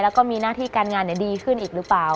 แล้วก็มีหน้าที่การงานดีขึ้นอีกหรือเปล่า